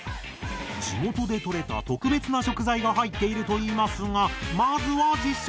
地元でとれた特別な食材が入っているといいますがまずは実食！